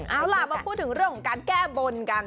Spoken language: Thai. เอาล่ะมาพูดถึงเรื่องของการแก้บนกัน